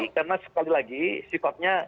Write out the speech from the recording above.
karena sekali lagi sifatnya